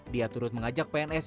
dia turut mengajak pns